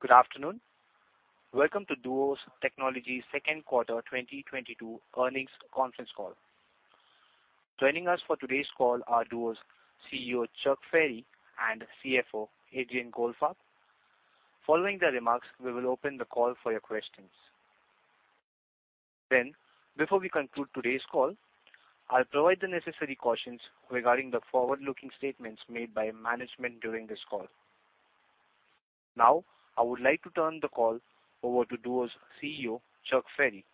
Good afternoon. Welcome to Duos Technologies' second quarter 2022 earnings conference call. Joining us for today's call are Duos CEO, Chuck Ferry, and CFO, Adrian Goldfarb. Following the remarks, we will open the call for your questions. Before we conclude today's call, I'll provide the necessary cautions regarding the forward-looking statements made by management during this call. Now, I would like to turn the call over to Duos CEO, Chuck Ferry.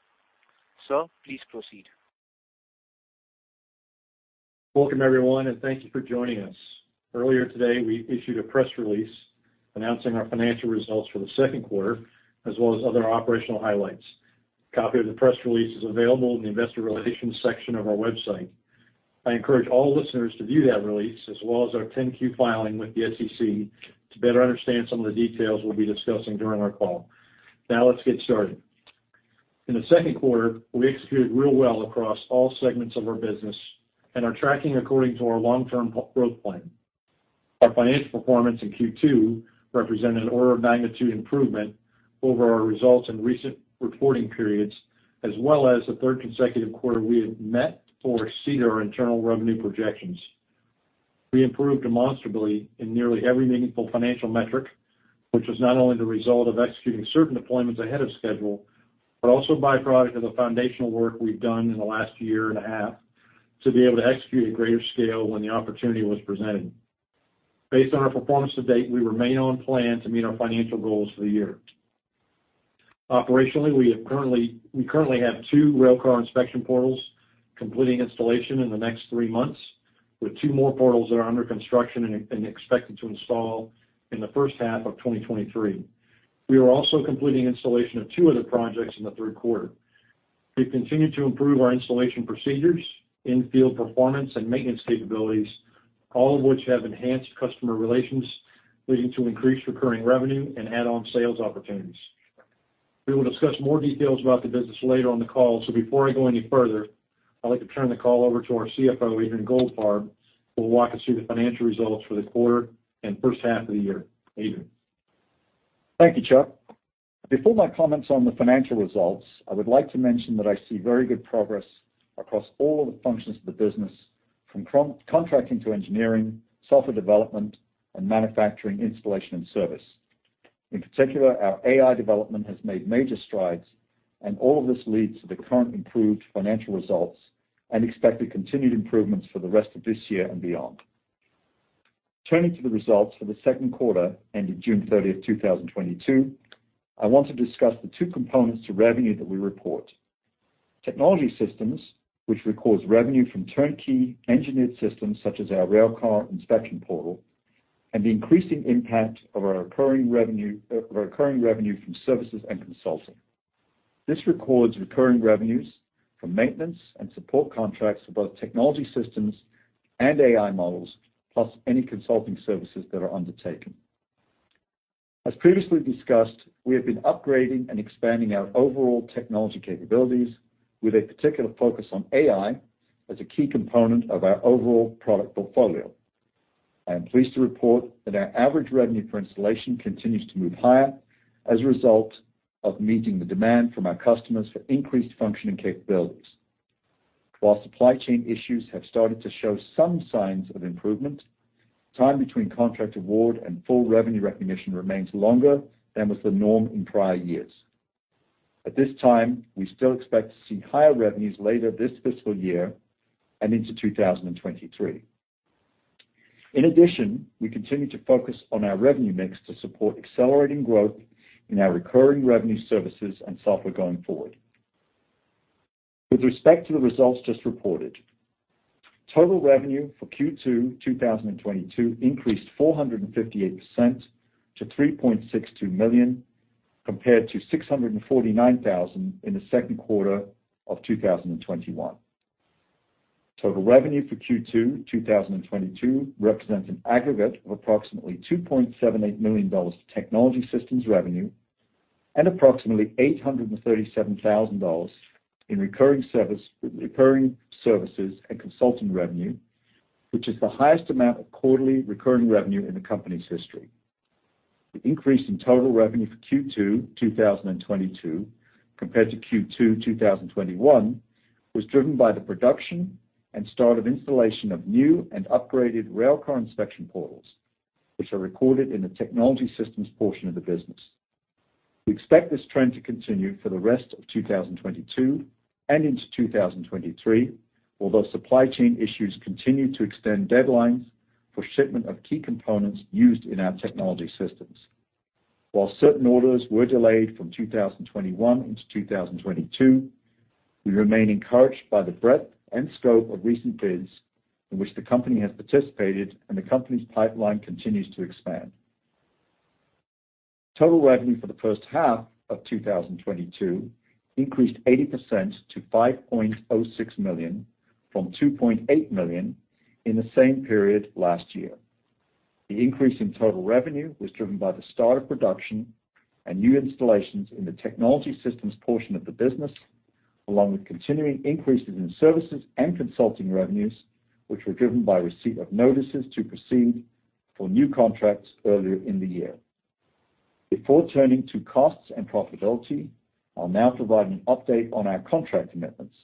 Sir, please proceed. Welcome, everyone, and thank you for joining us. Earlier today, we issued a press release announcing our financial results for the second quarter, as well as other operational highlights. A copy of the press release is available in the investor relations section of our website. I encourage all listeners to view that release, as well as our 10-Q filing with the SEC to better understand some of the details we'll be discussing during our call. Now let's get started. In the second quarter, we executed real well across all segments of our business and are tracking according to our long-term growth plan. Our financial performance in Q2 represented an order of magnitude improvement over our results in recent reporting periods, as well as the third consecutive quarter we have met or exceeded our internal revenue projections. We improved demonstrably in nearly every meaningful financial metric, which is not only the result of executing certain deployments ahead of schedule, but also a by-product of the foundational work we've done in the last year and a half to be able to execute at greater scale when the opportunity was presented. Based on our performance to date, we remain on plan to meet our financial goals for the year. Operationally, we currently have two Railcar Inspection Portal completing installation in the next three months, with two more portals that are under construction and expected to install in the first half of 2023. We are also completing installation of two other projects in the third quarter. We've continued to improve our installation procedures, in-field performance, and maintenance capabilities, all of which have enhanced customer relations, leading to increased recurring revenue and add-on sales opportunities. We will discuss more details about the business later on the call, so before I go any further, I'd like to turn the call over to our CFO, Adrian Goldfarb, who will walk us through the financial results for the quarter and first half of the year. Adrian. Thank you, Chuck. Before my comments on the financial results, I would like to mention that I see very good progress across all of the functions of the business, from contracting to engineering, software development, and manufacturing, installation, and service. In particular, our AI development has made major strides, and all of this leads to the current improved financial results and expected continued improvements for the rest of this year and beyond. Turning to the results for the second quarter ending June 30, 2022, I want to discuss the two components to revenue that we report. Technology systems, which records revenue from turnkey engineered systems such as our Railcar Inspection Portal, and the increasing impact of our recurring revenue from services and consulting. This records recurring revenues from maintenance and support contracts for both technology systems and AI models, plus any consulting services that are undertaken. As previously discussed, we have been upgrading and expanding our overall technology capabilities with a particular focus on AI as a key component of our overall product portfolio. I am pleased to report that our average revenue per installation continues to move higher as a result of meeting the demand from our customers for increased functioning capabilities. While supply chain issues have started to show some signs of improvement, time between contract award and full revenue recognition remains longer than was the norm in prior years. At this time, we still expect to see higher revenues later this fiscal year and into 2023. In addition, we continue to focus on our revenue mix to support accelerating growth in our recurring revenue services and software going forward. With respect to the results just reported, total revenue for Q2 2022 increased 458% to $3.62 million, compared to $649,000 in the second quarter of 2021. Total revenue for Q2 2022 represents an aggregate of approximately $2.78 million to technology systems revenue and approximately $837,000 in recurring services and consulting revenue, which is the highest amount of quarterly recurring revenue in the company's history. The increase in total revenue for Q2 2022 compared to Q2 2021 was driven by the production and start of installation of new and upgraded Railcar Inspection Portal, which are recorded in the technology systems portion of the business. We expect this trend to continue for the rest of 2022 and into 2023, although supply chain issues continue to extend deadlines for shipment of key components used in our technology systems. While certain orders were delayed from 2021 into 2022, we remain encouraged by the breadth and scope of recent bids in which the company has participated, and the company's pipeline continues to expand. Total revenue for the first half of 2022 increased 80% to $5.06 million from $2.8 million in the same period last year. The increase in total revenue was driven by the start of production and new installations in the technology systems portion of the business. Along with continuing increases in services and consulting revenues, which were driven by receipt of notices to proceed for new contracts earlier in the year. Before turning to costs and profitability, I'll now provide an update on our contract commitments.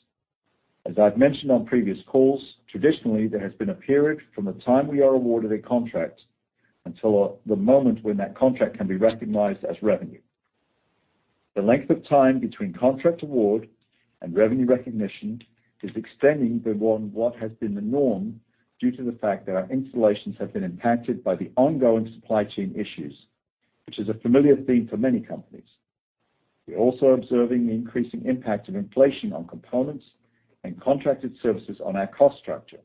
As I've mentioned on previous calls, traditionally there has been a period from the time we are awarded a contract until the moment when that contract can be recognized as revenue. The length of time between contract award and revenue recognition is extending beyond what has been the norm due to the fact that our installations have been impacted by the ongoing supply chain issues, which is a familiar theme for many companies. We're also observing the increasing impact of inflation on components and contracted services on our cost structure,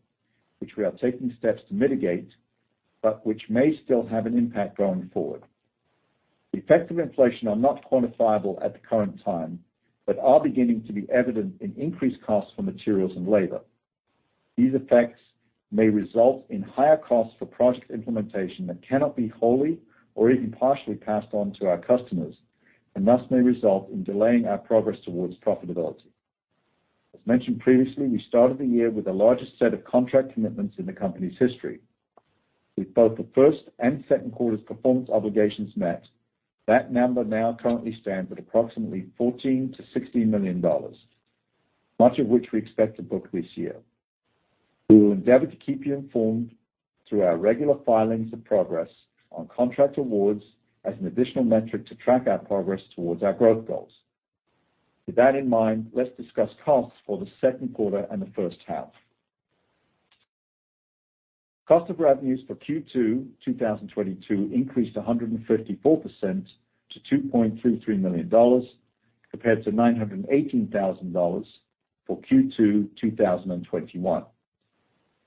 which we are taking steps to mitigate, but which may still have an impact going forward. The effects of inflation are not quantifiable at the current time, but are beginning to be evident in increased costs for materials and labor. These effects may result in higher costs for project implementation that cannot be wholly or even partially passed on to our customers, and thus may result in delaying our progress towards profitability. As mentioned previously, we started the year with the largest set of contract commitments in the company's history. With both the first and second quarter's performance obligations met, that number now currently stands at approximately $14-$16 million, much of which we expect to book this year. We will endeavor to keep you informed through our regular filings of progress on contract awards as an additional metric to track our progress towards our growth goals. With that in mind, let's discuss costs for the second quarter and the first half. Cost of revenues for Q2, 2022 increased 154% to $2.33 million, compared to $918,000 for Q2, 2021.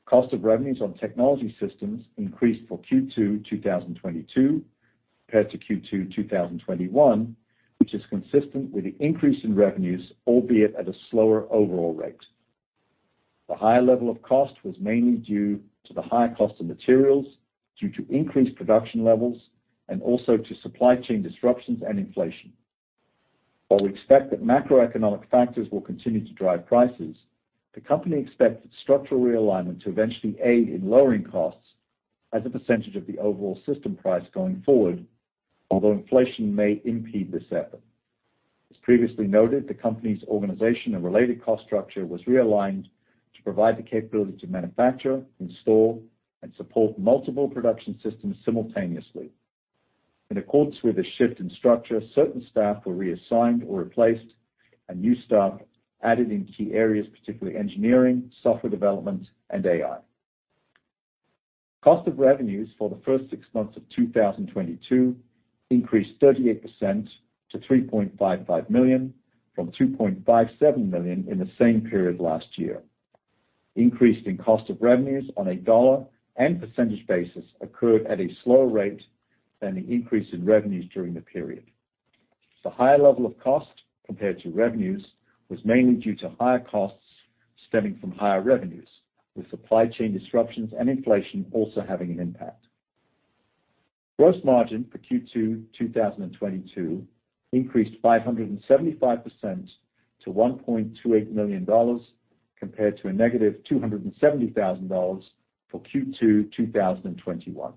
Cost of revenues on technology systems increased for Q2, 2022 compared to Q2, 2021, which is consistent with the increase in revenues, albeit at a slower overall rate. The higher level of cost was mainly due to the higher cost of materials due to increased production levels and also to supply chain disruptions and inflation. While we expect that macroeconomic factors will continue to drive prices, the company expects its structural realignment to eventually aid in lowering costs as a percentage of the overall system price going forward, although inflation may impede this effort. As previously noted, the company's organization and related cost structure was realigned to provide the capability to manufacture, install, and support multiple production systems simultaneously. In accordance with a shift in structure, certain staff were reassigned or replaced, and new staff added in key areas, particularly engineering, software development, and AI. Cost of revenues for the first six months of 2022 increased 38% to $3.55 million from $2.57 million in the same period last year. Increase in cost of revenues on a dollar and percentage basis occurred at a slower rate than the increase in revenues during the period. The higher level of cost compared to revenues was mainly due to higher costs stemming from higher revenues, with supply chain disruptions and inflation also having an impact. Gross margin for Q2 2022 increased 575% to $1.28 million, compared to -$270,000 for Q2 2021.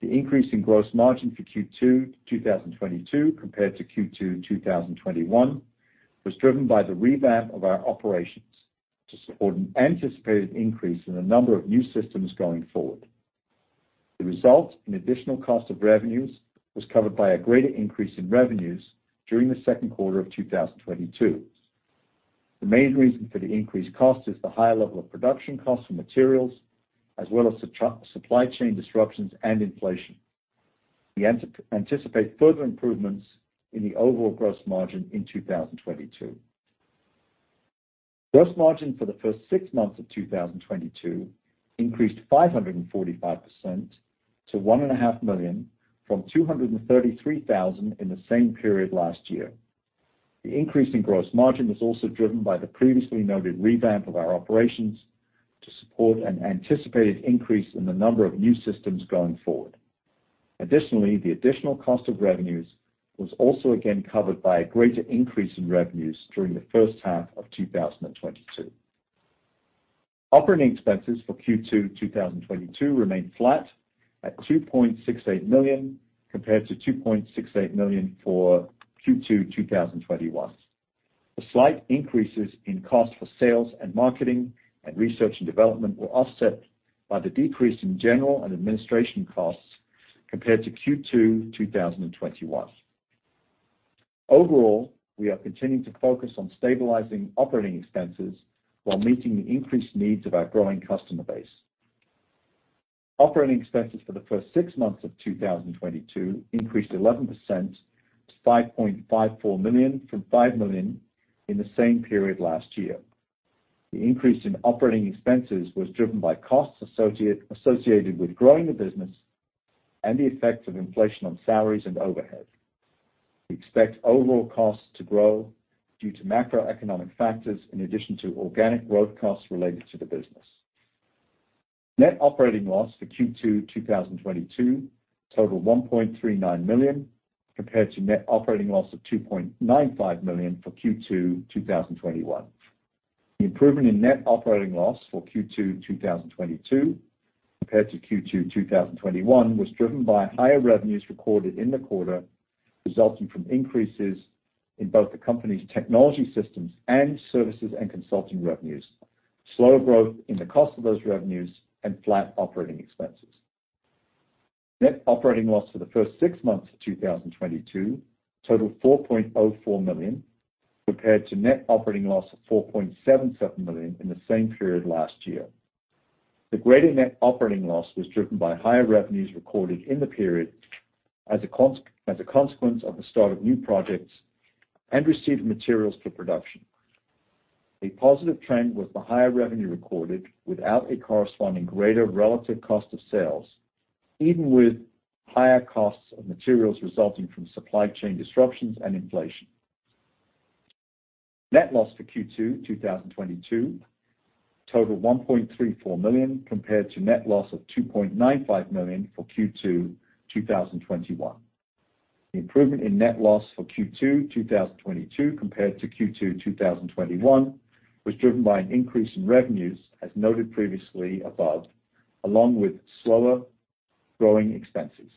The increase in gross margin for Q2 2022 compared to Q2 2021 was driven by the revamp of our operations to support an anticipated increase in the number of new systems going forward. The resulting additional cost of revenues was covered by a greater increase in revenues during the second quarter of 2022. The main reason for the increased cost is the higher level of production cost for materials, as well as supply chain disruptions and inflation. We anticipate further improvements in the overall gross margin in 2022. Gross margin for the first six months of 2022 increased 545% to $1.5 million from $233,000 in the same period last year. The increase in gross margin was also driven by the previously noted revamp of our operations to support an anticipated increase in the number of new systems going forward. Additionally, the additional cost of revenues was also again covered by a greater increase in revenues during the first half of 2022. Operating expenses for Q2 2022 remained flat at $2.68 million, compared to $2.68 million for Q2 2021. The slight increases in cost for sales and marketing and research and development were offset by the decrease in general and administration costs compared to Q2 2021. Overall, we are continuing to focus on stabilizing operating expenses while meeting the increased needs of our growing customer base. Operating expenses for the first six months of 2022 increased 11% to $5.54 million from $5 million in the same period last year. The increase in operating expenses was driven by costs associated with growing the business and the effects of inflation on salaries and overhead. We expect overall costs to grow due to macroeconomic factors in addition to organic growth costs related to the business. Net operating loss for Q2 2022 totaled $1.39 million compared to net operating loss of $2.95 million for Q2 2021. The improvement in net operating loss for Q2 2022 compared to Q2 2021 was driven by higher revenues recorded in the quarter, resulting from increases in both the company's technology systems and services and consulting revenues, slower growth in the cost of those revenues, and flat operating expenses. Net operating loss for the first six months of 2022 totaled $4.04 million compared to net operating loss of $4.77 million in the same period last year. The greater net operating loss was driven by higher revenues recorded in the period as a consequence of the start of new projects and received materials for production. A positive trend was the higher revenue recorded without a corresponding greater relative cost of sales, even with higher costs of materials resulting from supply chain disruptions and inflation. Net loss for Q2 2022 totaled $1.34 million compared to net loss of $2.95 million for Q2 2021. The improvement in net loss for Q2 2022 compared to Q2 2021 was driven by an increase in revenues, as noted previously above, along with slower growing expenses.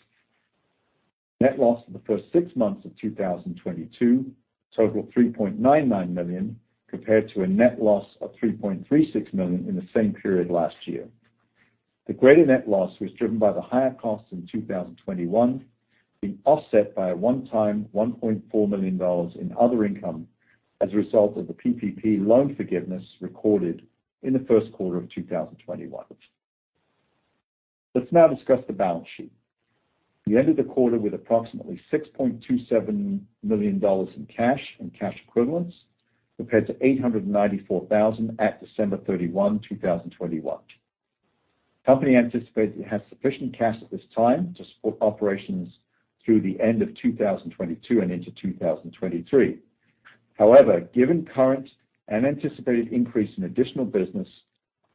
Net loss for the first six months of 2022 totaled $3.99 million compared to a net loss of $3.36 million in the same period last year. The greater net loss was driven by the higher costs in 2021 being offset by a one-time $1.4 million in other income as a result of the PPP loan forgiveness recorded in the first quarter of 2021. Let's now discuss the balance sheet. We ended the quarter with approximately $6.27 million in cash and cash equivalents compared to $894,000 at December 31, 2021. The company anticipates it has sufficient cash at this time to support operations through the end of 2022 and into 2023. However, given current and anticipated increase in additional business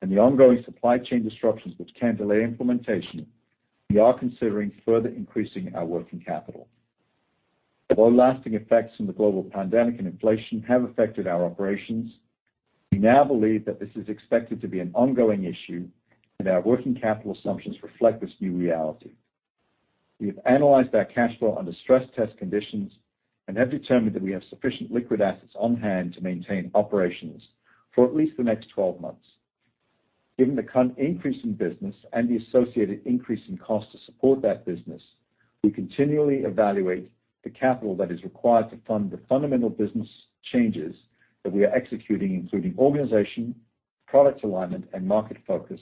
and the ongoing supply chain disruptions which can delay implementation, we are considering further increasing our working capital. While lasting effects from the global pandemic and inflation have affected our operations, we now believe that this is expected to be an ongoing issue, and our working capital assumptions reflect this new reality. We have analyzed our cash flow under stress test conditions and have determined that we have sufficient liquid assets on hand to maintain operations for at least the next 12 months. Given the current increase in business and the associated increase in cost to support that business, we continually evaluate the capital that is required to fund the fundamental business changes that we are executing, including organization, product alignment, and market focus,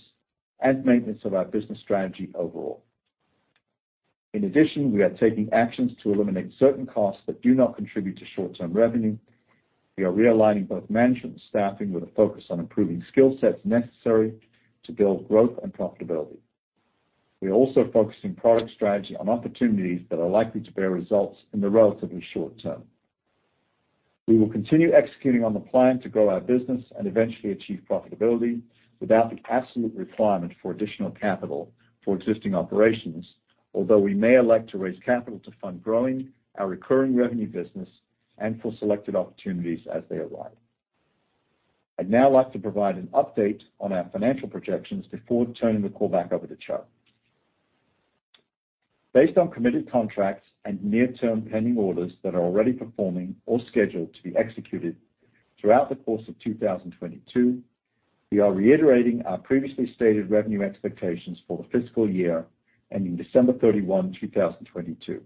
and maintenance of our business strategy overall. In addition, we are taking actions to eliminate certain costs that do not contribute to short-term revenue. We are realigning both management and staffing with a focus on improving skill sets necessary to build growth and profitability. We are also focusing product strategy on opportunities that are likely to bear results in the relatively short term. We will continue executing on the plan to grow our business and eventually achieve profitability without the absolute requirement for additional capital for existing operations, although we may elect to raise capital to fund growing our recurring revenue business and for selected opportunities as they arise. I'd now like to provide an update on our financial projections before turning the call back over to Chuck. Based on committed contracts and near-term pending orders that are already performing or scheduled to be executed throughout the course of 2022, we are reiterating our previously stated revenue expectations for the fiscal year ending December 31, 2022.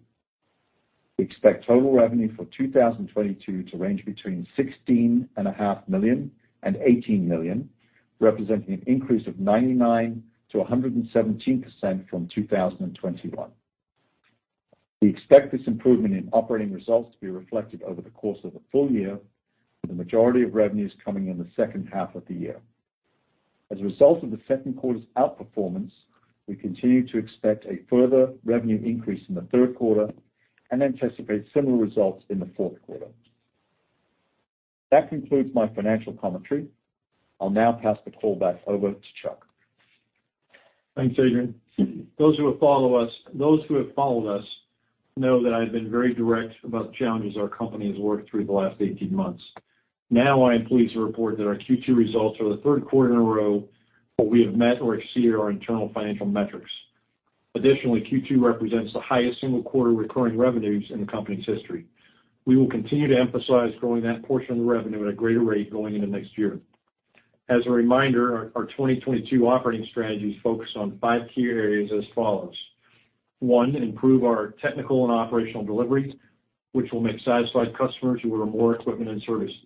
We expect total revenue for 2022 to range between $16.5 million and $18 million, representing an increase of 99%-117% from 2021. We expect this improvement in operating results to be reflected over the course of the full year, with the majority of revenues coming in the second half of the year. As a result of the second quarter's outperformance, we continue to expect a further revenue increase in the third quarter and anticipate similar results in the fourth quarter. That concludes my financial commentary. I'll now pass the call back over to Chuck. Thanks, Adrian. Those who have followed us know that I have been very direct about the challenges our company has worked through the last 18 months. Now I am pleased to report that our Q2 results are the third quarter in a row where we have met or exceeded our internal financial metrics. Additionally, Q2 represents the highest single quarter recurring revenues in the company's history. We will continue to emphasize growing that portion of the revenue at a greater rate going into next year. As a reminder, our 2022 operating strategies focus on five key areas as follows. One, improve our technical and operational delivery, which will make satisfied customers who order more equipment and services.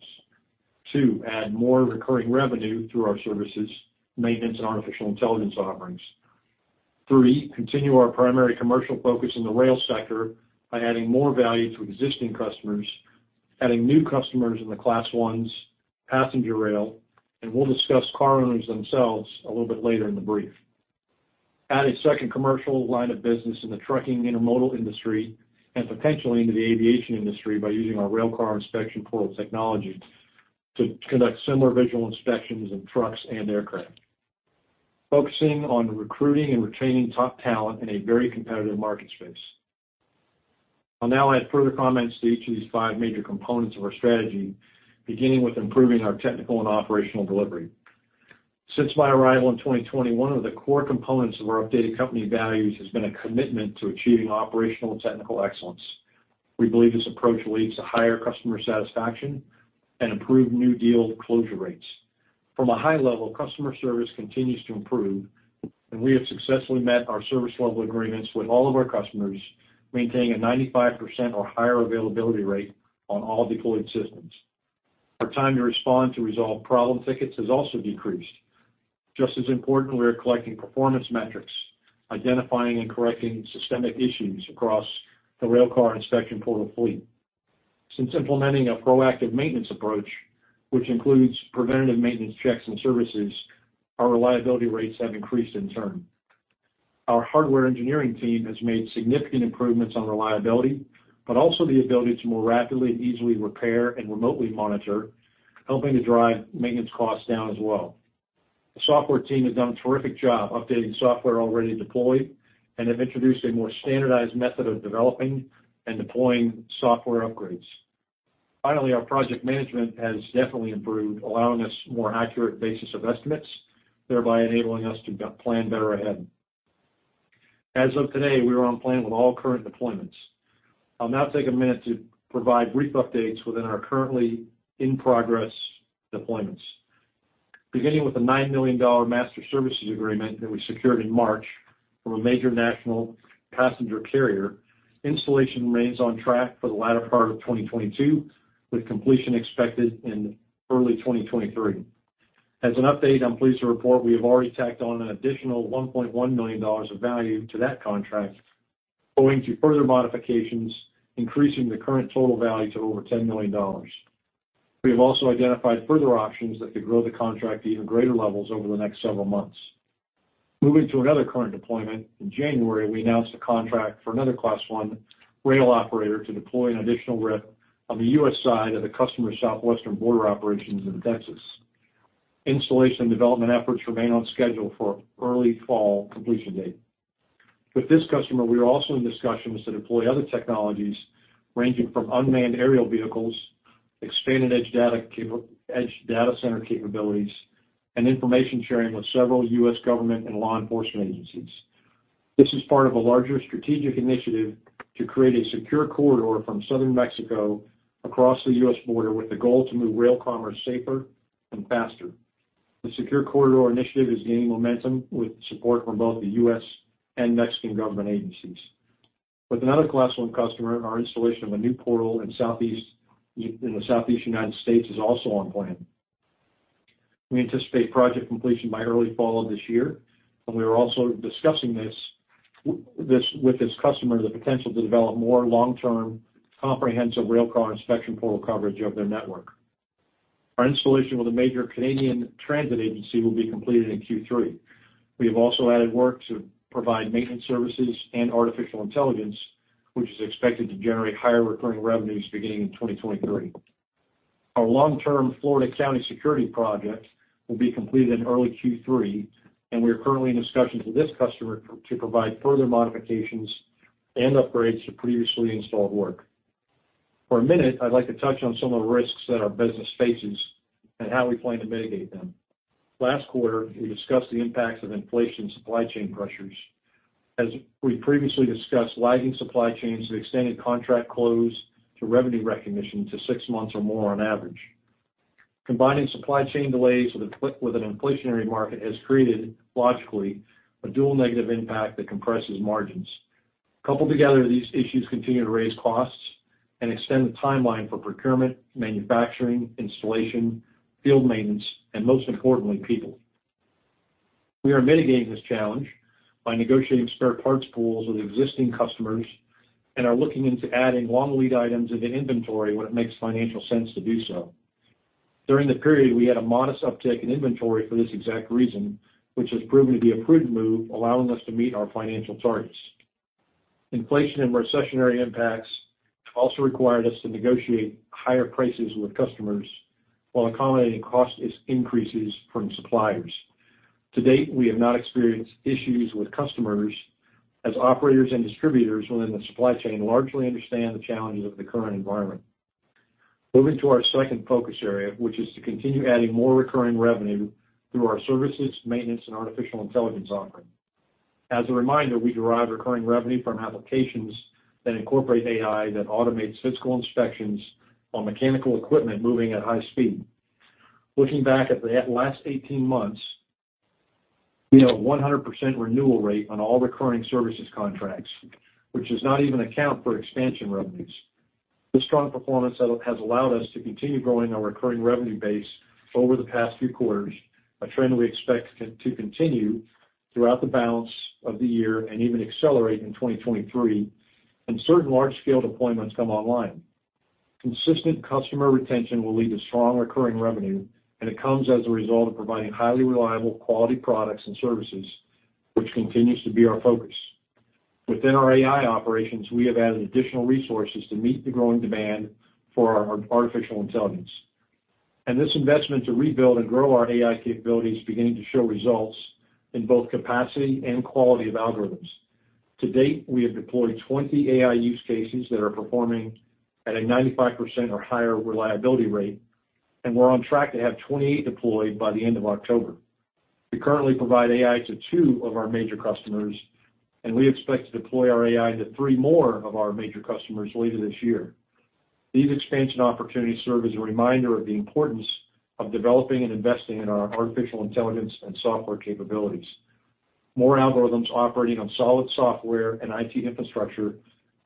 Two, add more recurring revenue through our services, maintenance, and artificial intelligence offerings. Three, continue our primary commercial focus in the rail sector by adding more value to existing customers, adding new customers in the Class 1, Passenger Rail, and we'll discuss car owners themselves a little bit later in the brief. Add a second commercial line of business in the trucking intermodal industry and potentially into the aviation industry by using our Railcar Inspection Portal technology to conduct similar visual inspections in trucks and aircraft. Focusing on recruiting and retaining top talent in a very competitive market space. I'll now add further comments to each of these five major components of our strategy, beginning with improving our technical and operational delivery. Since my arrival in 2021, one of the core components of our updated company values has been a commitment to achieving operational and technical excellence. We believe this approach leads to higher customer satisfaction and improved new deal closure rates. From a high level, customer service continues to improve, and we have successfully met our service level agreements with all of our customers, maintaining a 95% or higher availability rate on all deployed systems. Our time to respond to resolve problem tickets has also decreased. Just as important, we are collecting performance metrics, identifying and correcting systemic issues across the Railcar Inspection Portal fleet. Since implementing a proactive maintenance approach, which includes preventative maintenance checks and services, our reliability rates have increased in turn. Our hardware engineering team has made significant improvements on reliability, but also the ability to more rapidly and easily repair and remotely monitor, helping to drive maintenance costs down as well. The software team has done a terrific job updating software already deployed and have introduced a more standardized method of developing and deploying software upgrades. Finally, our project management has definitely improved, allowing us more accurate basis of estimates, thereby enabling us to plan better ahead. As of today, we are on plan with all current deployments. I'll now take a minute to provide brief updates within our currently in-progress deployments. Beginning with the $9 million master services agreement that we secured in March from a major national passenger carrier, installation remains on track for the latter part of 2022, with completion expected in early 2023. As an update, I'm pleased to report we have already tacked on an additional $1.1 million of value to that contract owing to further modifications, increasing the current total value to over $10 million. We have also identified further options that could grow the contract to even greater levels over the next several months. Moving to another current deployment, in January, we announced a contract for another Class 1 rail operator to deploy an additional rip® on the U.S. side of the customer's southwestern border operations in Texas. Installation and development efforts remain on schedule for early fall completion date. With this customer, we are also in discussions to deploy other technologies ranging from unmanned aerial vehicles, expanded edge data center capabilities, and information sharing with several U.S. government and law enforcement agencies. This is part of a larger strategic initiative to create a secure corridor from Southern Mexico across the U.S. border with the goal to move rail commerce safer and faster. The Secure Corridor Initiative is gaining momentum with support from both the U.S. and Mexican government agencies. With another Class 1 customer, our installation of a new portal in the Southeast United States is also on plan. We anticipate project completion by early fall of this year, and we are also discussing this with this customer the potential to develop more long-term comprehensive Railcar Inspection Portal coverage of their network. Our installation with a major Canadian transit agency will be completed in Q3. We have also added work to provide maintenance services and artificial intelligence, which is expected to generate higher recurring revenues beginning in 2023. Our long-term Florida County security project will be completed in early Q3, and we are currently in discussions with this customer to provide further modifications and upgrades to previously installed work. For a minute, I'd like to touch on some of the risks that our business faces and how we plan to mitigate them. Last quarter, we discussed the impacts of inflation supply chain pressures. As we previously discussed, lagging supply chains have extended contract close to revenue recognition to six months or more on average. Combining supply chain delays with an inflationary market has created, logically, a dual negative impact that compresses margins. Coupled together, these issues continue to raise costs and extend the timeline for procurement, manufacturing, installation, field maintenance, and most importantly, people. We are mitigating this challenge by negotiating spare parts pools with existing customers and are looking into adding long lead items into inventory when it makes financial sense to do so. During the period, we had a modest uptick in inventory for this exact reason, which has proven to be a prudent move, allowing us to meet our financial targets. Inflation and recessionary impacts have also required us to negotiate higher prices with customers while accommodating cost increases from suppliers. To date, we have not experienced issues with customers as operators and distributors within the supply chain largely understand the challenges of the current environment. Moving to our second focus area, which is to continue adding more recurring revenue through our services, maintenance, and artificial intelligence offering. As a reminder, we derive recurring revenue from applications that incorporate AI that automates physical inspections on mechanical equipment moving at high speed. Looking back at the last eighteen months, we have 100% renewal rate on all recurring services contracts, which does not even account for expansion revenues. This strong performance level has allowed us to continue growing our recurring revenue base over the past few quarters, a trend we expect to continue throughout the balance of the year and even accelerate in 2023 when certain large-scale deployments come online. Consistent customer retention will lead to strong recurring revenue, and it comes as a result of providing highly reliable quality products and services, which continues to be our focus. Within our AI operations, we have added additional resources to meet the growing demand for our artificial intelligence. This investment to rebuild and grow our AI capability is beginning to show results in both capacity and quality of algorithms. To date, we have deployed 20 AI use cases that are performing at a 95% or higher reliability rate, and we're on track to have 28 deployed by the end of October. We currently provide AI to two of our major customers, and we expect to deploy our AI to three more of our major customers later this year. These expansion opportunities serve as a reminder of the importance of developing and investing in our artificial intelligence and software capabilities. More algorithms operating on solid software and IT infrastructure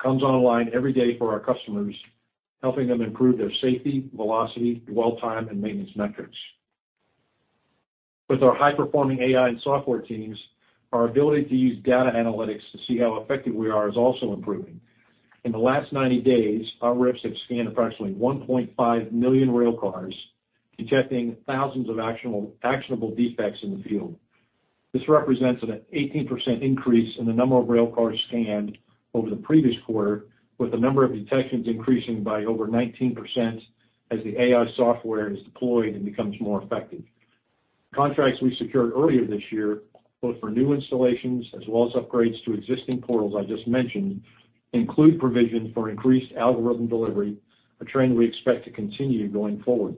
comes online every day for our customers, helping them improve their safety, velocity, dwell time, and maintenance metrics. With our high-performing AI and software teams, our ability to use data analytics to see how effective we are is also improving. In the last 90 days, our RIPS have scanned approximately 1.5 million railcars, detecting thousands of actionable defects in the field. This represents an 18% increase in the number of rail cars scanned over the previous quarter, with the number of detections increasing by over 19% as the AI software is deployed and becomes more effective. Contracts we secured earlier this year, both for new installations as well as upgrades to existing portals I just mentioned, include provisions for increased algorithm delivery, a trend we expect to continue going forward.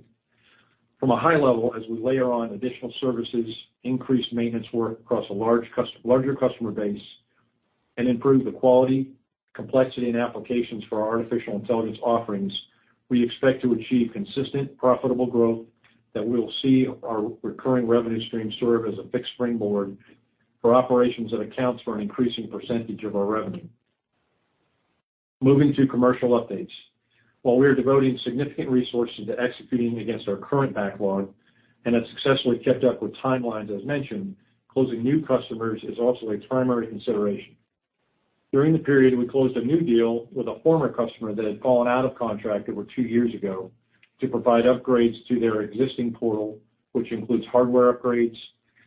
From a high level, as we layer on additional services, increase maintenance work across a larger customer base, and improve the quality, complexity, and applications for our artificial intelligence offerings, we expect to achieve consistent, profitable growth that we will see our recurring revenue stream serve as a fixed springboard for operations that accounts for an increasing percentage of our revenue. Moving to commercial updates. While we are devoting significant resources to executing against our current backlog and have successfully kept up with timelines, as mentioned, closing new customers is also a primary consideration. During the period, we closed a new deal with a former customer that had fallen out of contract over two years ago to provide upgrades to their existing portal, which includes hardware upgrades,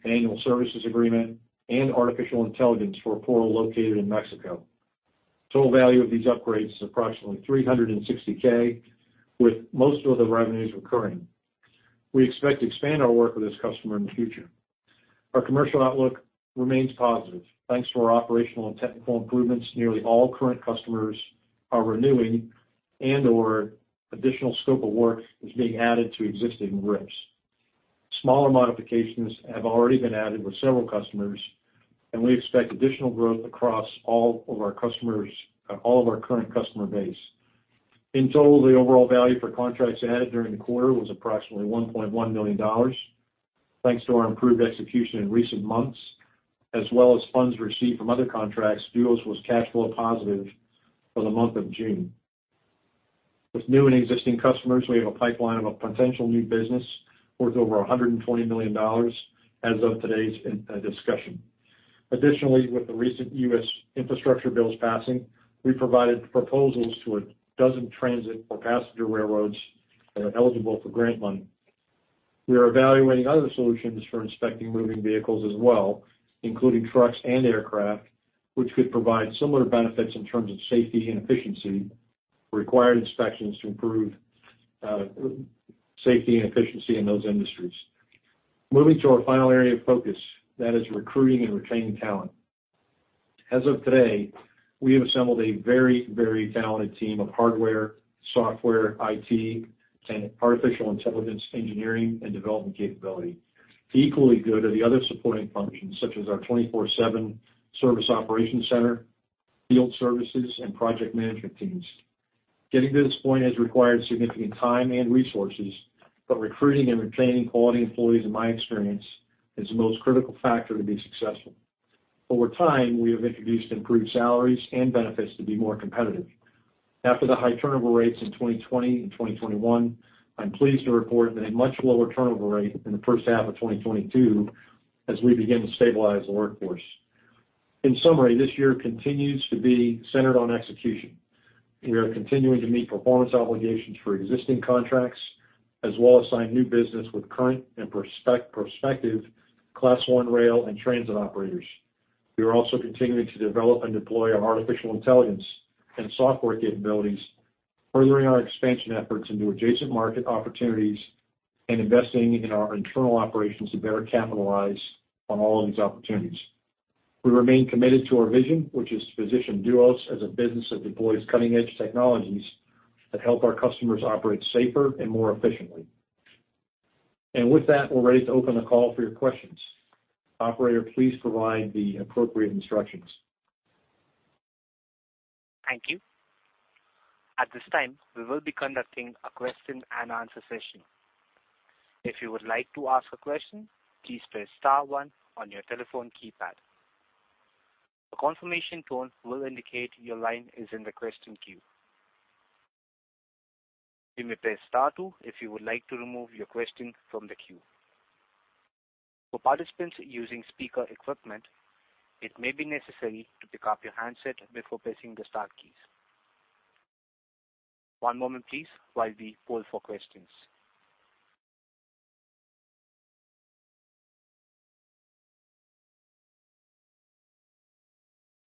an annual services agreement, and artificial intelligence for a portal located in Mexico. Total value of these upgrades, approximately $360K, with most of the revenues recurring. We expect to expand our work with this customer in the future. Our commercial outlook remains positive. Thanks to our operational and technical improvements, nearly all current customers are renewing and/or additional scope of work is being added to existing RIPS. Smaller modifications have already been added with several customers, and we expect additional growth across all of our customers, all of our current customer base. In total, the overall value for contracts added during the quarter was approximately $1.1 million. Thanks to our improved execution in recent months, as well as funds received from other contracts, Duos was cash flow positive for the month of June. With new and existing customers, we have a pipeline of a potential new business worth over $120 million as of today, in discussion. Additionally, with the recent U.S. infrastructure bills passing, we provided proposals to 12 transit or passenger railroads that are eligible for grant money. We are evaluating other solutions for inspecting moving vehicles as well, including trucks and aircraft, which could provide similar benefits in terms of safety and efficiency. Required inspections to improve safety and efficiency in those industries. Moving to our final area of focus, that is recruiting and retaining talent. As of today, we have assembled a very talented team of hardware, software, IT, and artificial intelligence engineering and development capability. Equally good are the other supporting functions, such as our 24/7 service operations center, field services, and project management teams. Getting to this point has required significant time and resources, but recruiting and retaining quality employees, in my experience, is the most critical factor to be successful. Over time, we have introduced improved salaries and benefits to be more competitive. After the high turnover rates in 2020 and 2021, I'm pleased to report that a much lower turnover rate in the first half of 2022 as we begin to stabilize the workforce. In summary, this year continues to be centered on execution. We are continuing to meet performance obligations for existing contracts as well as sign new business with current and perspective Class 1 rail and transit operators. We are also continuing to develop and deploy our artificial intelligence and software capabilities, furthering our expansion efforts into adjacent market opportunities and investing in our internal operations to better capitalize on all of these opportunities. We remain committed to our vision, which is to position Duos as a business that deploys cutting-edge technologies that help our customers operate safer and more efficiently. With that, we're ready to open the call for your questions. Operator, please provide the appropriate instructions. Thank you. At this time, we will be conducting a question and answer session. If you would like to ask a question, please press star one on your telephone keypad. A confirmation tone will indicate your line is in the question queue. You may press star two if you would like to remove your question from the queue. For participants using speaker equipment, it may be necessary to pick up your handset before pressing the star keys. One moment please while we poll for questions.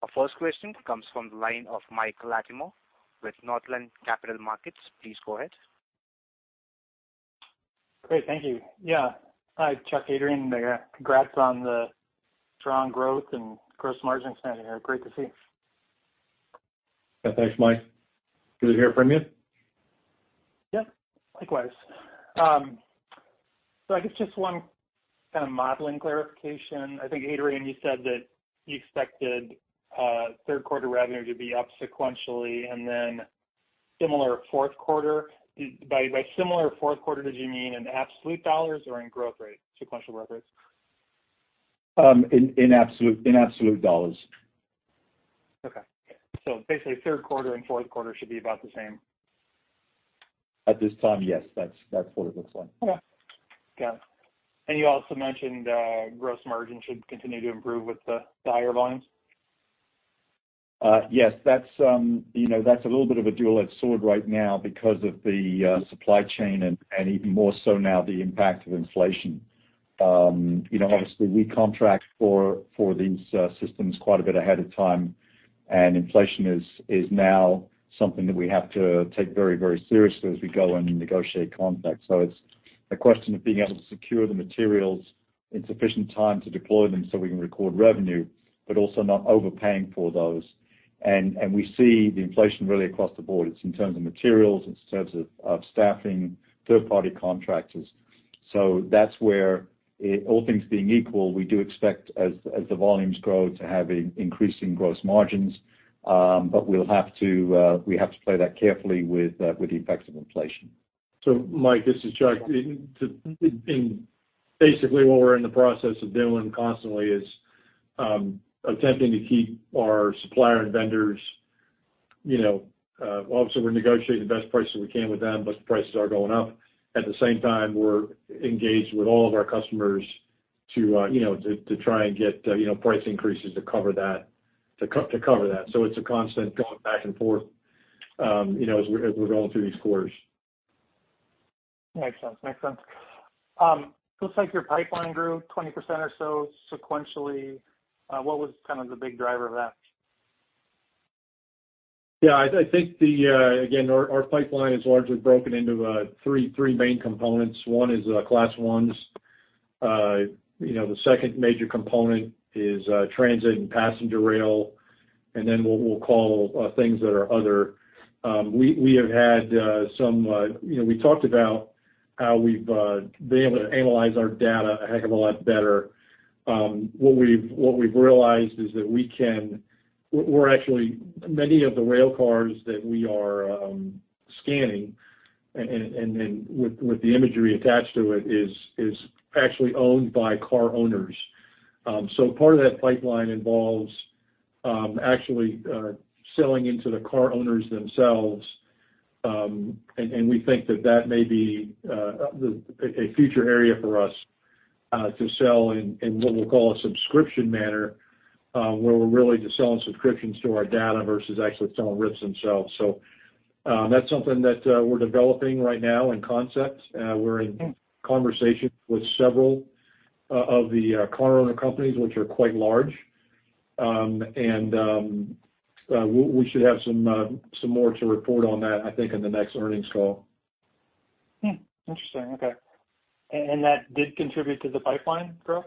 Our first question comes from the line of Michael Latimore with Northland Capital Markets. Please go ahead. Great. Thank you. Yeah. Hi, Chuck, Adrian. Congrats on the strong growth and gross margin standing here. Great to see. Yeah. Thanks, Mike. Good to hear from you. Yeah. Likewise. I guess just one kind of modeling clarification. I think, Adrian, you said that you expected third quarter revenue to be up sequentially and then similar fourth quarter. By similar fourth quarter, did you mean in absolute dollars or in growth rate, sequential growth rates? In absolute dollars. Okay. Basically, third quarter and fourth quarter should be about the same. At this time, yes. That's what it looks like. Okay. Got it. You also mentioned, gross margin should continue to improve with the higher volumes? Yes. That's, you know, that's a little bit of a double-edged sword right now because of the supply chain and even more so now the impact of inflation. You know, obviously we contract for these systems quite a bit ahead of time, and inflation is now something that we have to take very, very seriously as we go and negotiate contracts. It's a question of being able to secure the materials in sufficient time to deploy them so we can record revenue, but also not overpaying for those. We see the inflation really across the board. It's in terms of materials, it's in terms of staffing, third party contractors. That's where all things being equal, we do expect as the volumes grow, to have increasing gross margins. We'll have to play that carefully with the effects of inflation. Mike, this is Chuck. Basically what we're in the process of doing constantly is attempting to keep our suppliers and vendors, you know, obviously we're negotiating the best prices we can with them, but the prices are going up. At the same time, we're engaged with all of our customers to you know try and get you know price increases to cover that, to cover that. It's a constant going back and forth, you know, as we're going through these quarters. Makes sense. Looks like your pipeline grew 20% or so sequentially. What was kind of the big driver of that? Yeah, I think again, our pipeline is largely broken into three main components. One is Class 1. You know, the second major component is transit and passenger rail, and then what we'll call things that are other. We have had some, you know, we talked about how we've been able to analyze our data a heck of a lot better. What we've realized is that many of the rail cars that we are scanning and with the imagery attached to it is actually owned by car owners. Part of that pipeline involves actually selling into the car owners themselves. We think that may be a future area for us to sell in what we'll call a subscription manner, where we're really just selling subscriptions to our data versus actually selling RIPs themselves. That's something that we're developing right now in concept. We're in conversation with several of the car owner companies which are quite large. We should have some more to report on that, I think in the next earnings call. Interesting. Okay. That did contribute to the pipeline growth?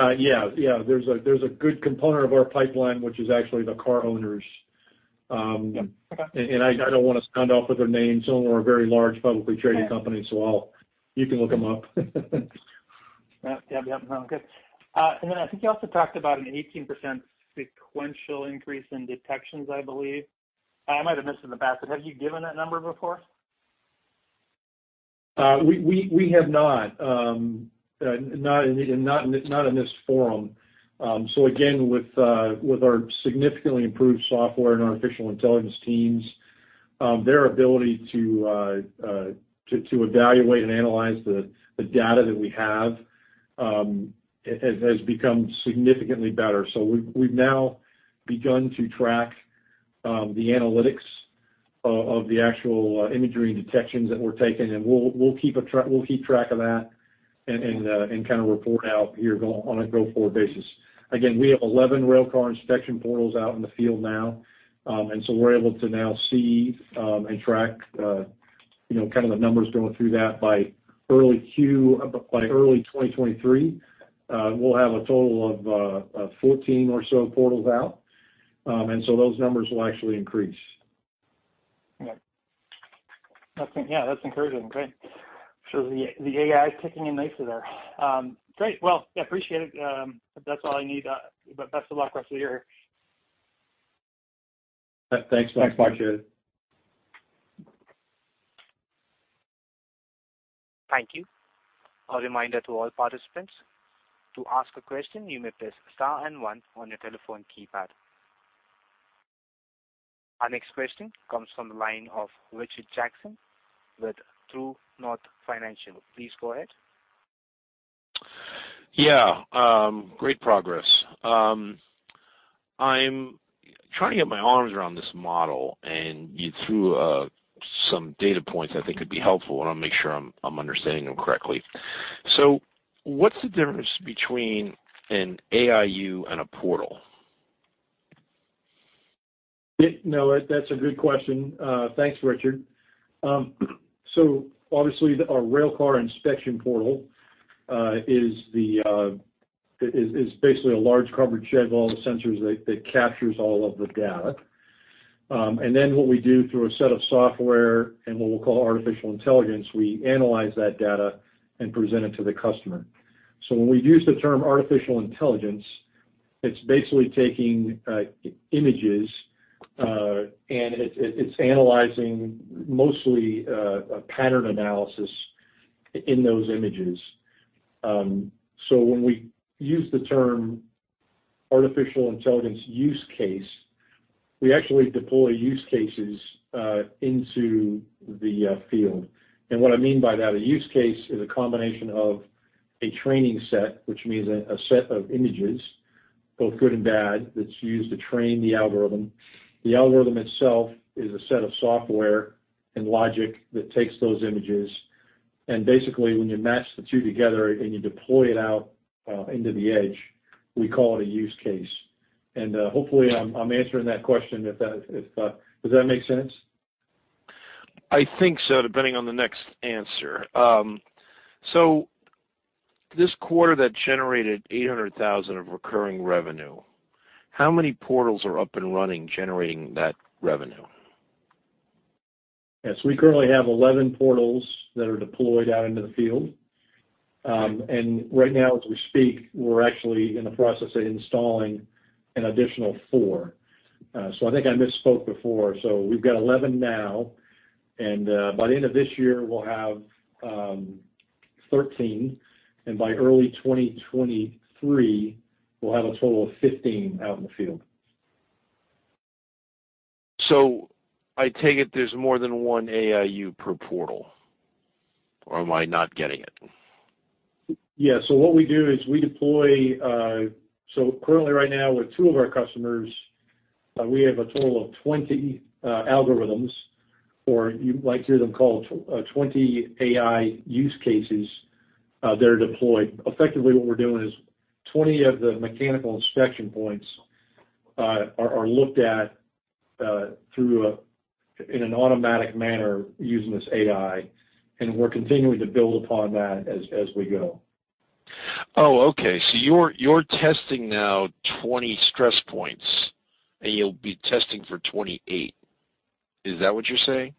Yeah. There's a good component of our pipeline, which is actually the car owners. Yeah. Okay. I don't wanna sound off with their names. Some of them are very large publicly traded companies, so I'll. You can look them up. Yeah. Yeah. No, good. I think you also talked about an 18% sequential increase in detections, I believe. I might have missed in the past, but have you given that number before? We have not. Not in this forum. Again, with our significantly improved software and our artificial intelligence teams, their ability to evaluate and analyze the data that we have has become significantly better. We've now begun to track the analytics of the actual imagery and detections that we're taking, and we'll keep track of that and kind of report out here on a go forward basis. Again, we have 11 Railcar Inspection Portals out in the field now. We're able to now see and track, you know, kind of the numbers going through that by early Q... By early 2023, we'll have a total of 14 or so portals out. Those numbers will actually increase. Okay. That's, yeah, that's encouraging. Great. The AI is kicking in nicely there. Great. Well, I appreciate it. That's all I need. Best of luck rest of the year. Thanks. Thanks much. Thank you. A reminder to all participants, to ask a question, you may press star and one on your telephone keypad. Our next question comes from the line of Richard Jackson with True North Financial. Please go ahead. Yeah, great progress. I'm trying to get my arms around this model, and you threw some data points I think could be helpful, and I'll make sure I'm understanding them correctly. What's the difference between an AIU and a portal? Yeah. No, that's a good question. Thanks, Richard. Obviously, our Railcar Inspection Portal is basically a large covered shed with all the sensors that captures all of the data. What we do through a set of software and what we'll call artificial intelligence, we analyze that data and present it to the customer. When we use the term artificial intelligence, it's basically taking images and it's analyzing mostly a pattern analysis in those images. When we use the term artificial intelligence use case, we actually deploy use cases into the field. What I mean by that, a use case is a combination of a training set, which means a set of images, both good and bad, that's used to train the algorithm. The algorithm itself is a set of software and logic that takes those images. Basically, when you match the two together and you deploy it out into the edge, we call it a use case. Hopefully I'm answering that question. Does that make sense? I think so, depending on the next answer. This quarter that generated $800,000 of recurring revenue, how many portals are up and running generating that revenue? Yes. We currently have 11 portals that are deployed out into the field. Right now as we speak, we're actually in the process of installing an additional four. I think I misspoke before. We've got 11 now, and by the end of this year, we'll have 13. By early 2023, we'll have a total of 15 out in the field. I take it there's more than one AIU per portal, or am I not getting it? Yeah. What we do is we deploy. Currently right now with two of our customers, we have a total of 20 algorithms, or you might hear them called, 20 AI use cases, that are deployed. Effectively what we're doing is 20 of the mechanical inspection points are looked at in an automatic manner using this AI, and we're continuing to build upon that as we go. Oh, okay. You're testing now 20 stress points, and you'll be testing for 28. Is that what you're saying?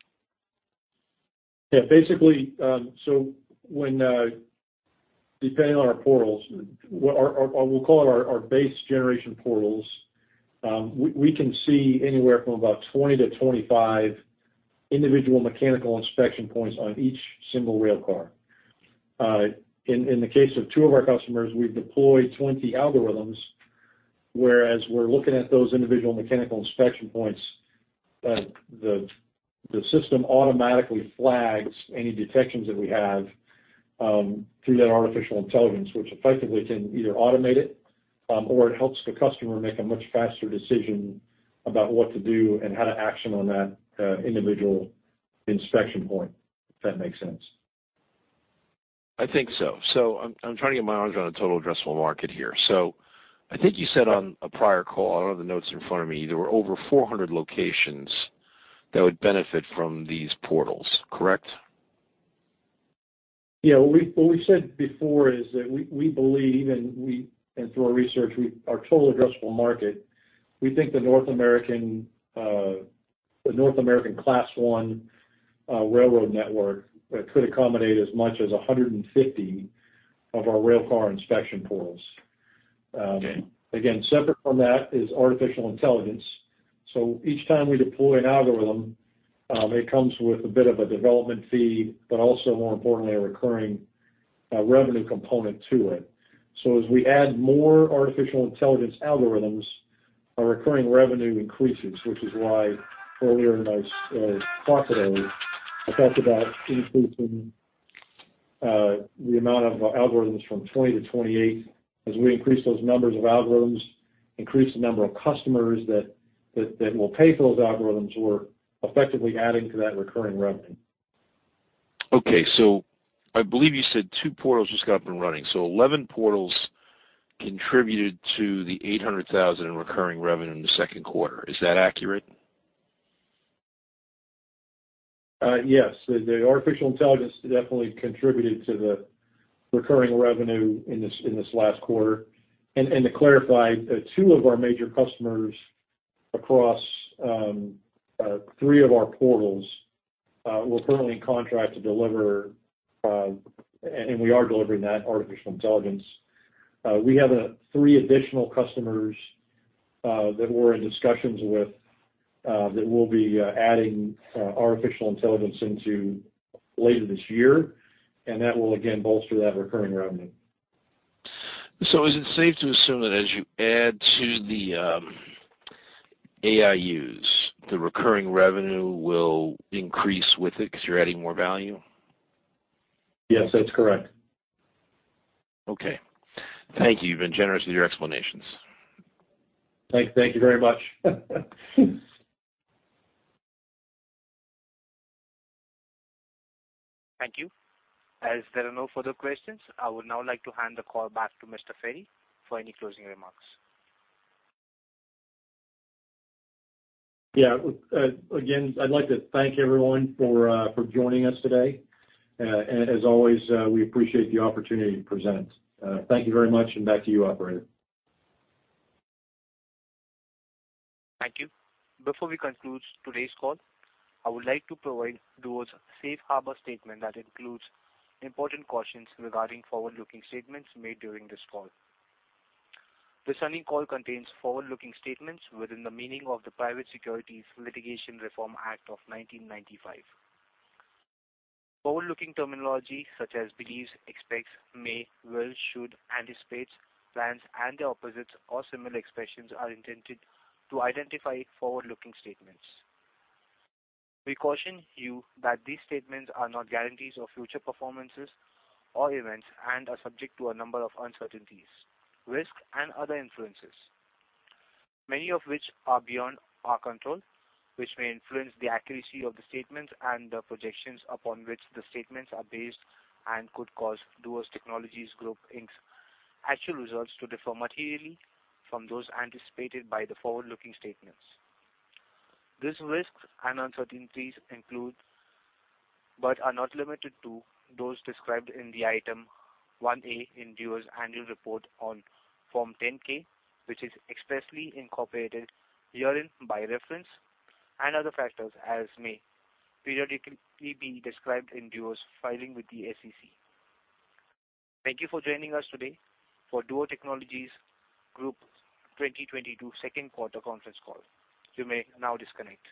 Yeah. Basically, when depending on our portals, or we'll call it our base generation portals, we can see anywhere from about 20-25 individual mechanical inspection points on each single railcar. In the case of two of our customers, we've deployed 20 algorithms, whereas we're looking at those individual mechanical inspection points, the system automatically flags any detections that we have through that artificial intelligence, which effectively can either automate it, or it helps the customer make a much faster decision about what to do and how to act on that individual inspection point, if that makes sense. I think so. I'm trying to get my arms around a total addressable market here. I think you said on a prior call, I don't have the notes in front of me, there were over 400 locations that would benefit from these portals, correct? Yeah. What we said before is that we believe, and through our research, our total addressable market, we think the North American Class 1 railroad network could accommodate as much as 150 of our Railcar Inspection Portals. Again, separate from that is artificial intelligence. Each time we deploy an algorithm, it comes with a bit of a development fee, but also more importantly, a recurring revenue component to it. As we add more artificial intelligence algorithms, our recurring revenue increases, which is why earlier in my talk today, I talked about increasing the amount of algorithms from 20 to 28. As we increase those numbers of algorithms, increase the number of customers that will pay for those algorithms, we're effectively adding to that recurring revenue. Okay. I believe you said 2 portals just got up and running. 11 portals contributed to the $800,000 in recurring revenue in the second quarter. Is that accurate? Yes. The artificial intelligence definitely contributed to the recurring revenue in this last quarter. To clarify, two of our major customers across three of our portals, we're currently in contract to deliver, and we are delivering that artificial intelligence. We have three additional customers that we're in discussions with that we'll be adding artificial intelligence into later this year, and that will again bolster that recurring revenue. Is it safe to assume that as you add to the AIUs, the recurring revenue will increase with it because you're adding more value? Yes, that's correct. Okay. Thank you. You've been generous with your explanations. Thank you very much. Thank you. As there are no further questions, I would now like to hand the call back to Mr. Ferry for any closing remarks. Yeah. Again, I'd like to thank everyone for joining us today. As always, we appreciate the opportunity to present. Thank you very much. Back to you, operator. Thank you. Before we conclude today's call, I would like to provide Duos' safe harbor statement that includes important cautions regarding forward-looking statements made during this call. This earnings call contains forward-looking statements within the meaning of the Private Securities Litigation Reform Act of 1995. Forward-looking terminology such as believes, expects, may, will, should, anticipates, plans, and their opposites or similar expressions are intended to identify forward-looking statements. We caution you that these statements are not guarantees of future performance or events and are subject to a number of uncertainties, risks, and other influences, many of which are beyond our control, which may influence the accuracy of the statements and the projections upon which the statements are based and could cause Duos Technologies Group, Inc.'s actual results to differ materially from those anticipated by the forward-looking statements. These risks and uncertainties include, but are not limited to, those described in Item 1A in Duos' annual report on Form 10-K, which is expressly incorporated herein by reference and other factors as may periodically be described in Duos' filing with the SEC. Thank you for joining us today for Duos Technologies Group 2022 second quarter conference call. You may now disconnect.